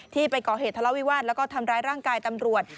ไปก่อเหตุทะเลาวิวาสแล้วก็ทำร้ายร่างกายตำรวจ